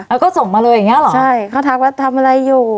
แล้วก็ส่งมาเลยอย่างเงี้เหรอใช่เขาทักว่าทำอะไรอยู่